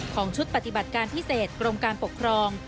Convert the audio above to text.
ชุดปฏิบัติการพิเศษกรมการปกครอง